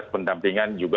untuk pendampingan juga